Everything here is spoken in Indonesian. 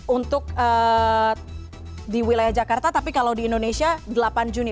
untuk di wilayah jakarta tapi kalau di indonesia delapan juni